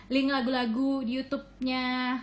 link lagu lagu di youtube nya